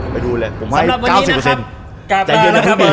แมแม่